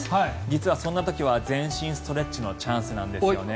実はそんな時は全身ストレッチのチャンスなんですよね。